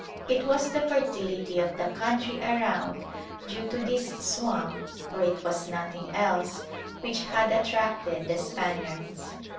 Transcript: It was the fertility of the country around due to this swamp (for it was nothing else) which had attracted the Spaniards.